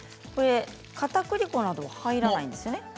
かたくり粉など入らないんですね。